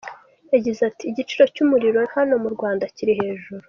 Yagize ati :"Igiciro cy’umuriro hano mu Rwanda kiri hejuru.